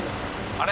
あれ？